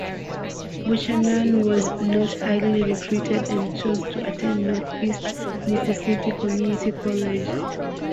Buchanan was not highly recruited and chose to attend Northeast Mississippi Community College.